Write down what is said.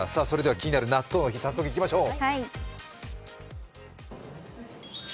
気になる納豆の日、早速いきましょう。